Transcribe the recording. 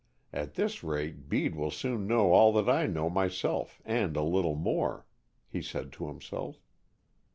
At this rate, Bede will soon know all that I know myself and a little more," he said to himself.